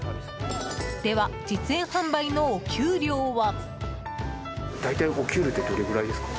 では、実演販売のお給料は？